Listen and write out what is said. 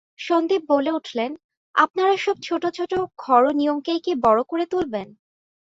সন্দীপ বলে উঠলেন, আপনারা সব ছোটো ছোটো ঘরো নিয়মকেই কি বড়ো করে তুলবেন?